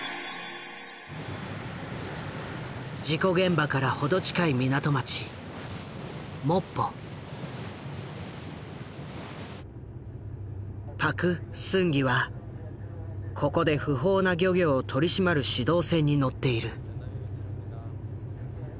事故現場から程近い港町パク・スンギはここで不法な漁業を取り締まる指導船に乗っている。